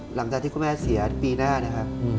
หลังจากที่คุณแม่เสียปีหน้านะครับ